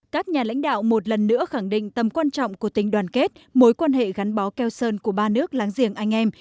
các nhà lãnh đạo một lần nữa khẳng định tầm quan trọng của tình đoàn kết mối quan hệ gắn bó keo sơn của ba nước láng giềng anh em